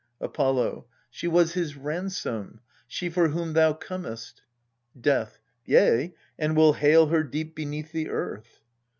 Apollo. She was his ransom, she for whom thou comest. Death. Yea, and will hale her deep beneath the earth.